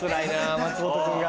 松本君が。